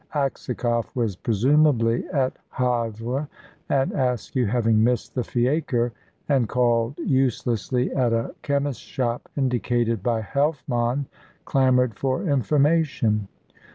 Aksakoff was presumably at Havre, and Askew, having missed the fiacre, and called uselessly at a chemist's shop indicated by Helfmann, clamoured for information.